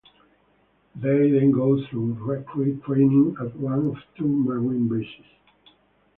They then go through recruit training at one of two Marine bases.